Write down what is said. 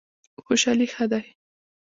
خوشحالي ښه دی.